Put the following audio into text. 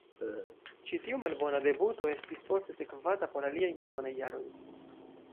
Ĉi tiu malbona debuto estis poste sekvata por aliaj malbonaj jaroj.